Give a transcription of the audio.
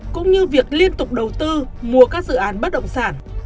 cũng như việc liên tục đầu tư mua các dự án bất động sản